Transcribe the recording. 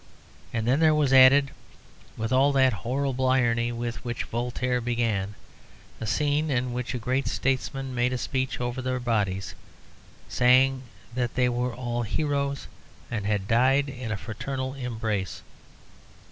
And then there was added, with all that horrible irony which Voltaire began, a scene in which a great statesman made a speech over their bodies, saying that they were all heroes and had died in a fraternal embrace.